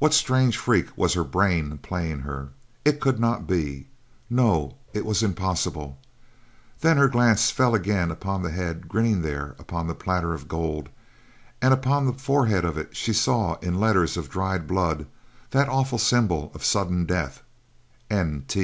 What strange freak was her brain playing her! It could not be, no it was impossible; then her glance fell again upon the head grinning there upon the platter of gold, and upon the forehead of it she saw, in letters of dried blood, that awful symbol of sudden death—NT!